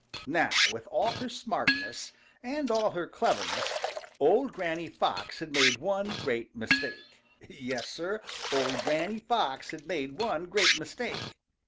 |NOW, with all her smartness and all her cleverness, old Granny Fox had made one great mistake. Yes, Sir, old Granny Fox had made one great mistake.